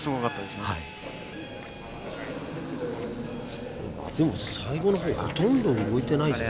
でも最後のほうほとんど動いてないぞ。